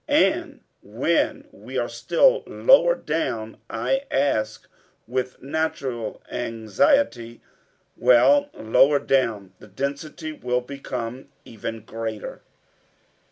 "And when we are still lower down?" I asked with natural anxiety. "Well, lower down, the density will become even greater."